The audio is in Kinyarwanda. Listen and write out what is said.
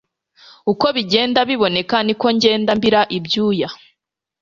uko bigenda biboneka niko njyenda mbira Ibyuya